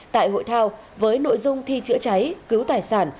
tại hội thao với nội dung thi chữa cháy cứu tài sản